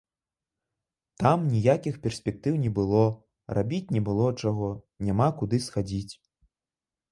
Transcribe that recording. Там ніякіх перспектыў не было, рабіць не было чаго, няма куды схадзіць.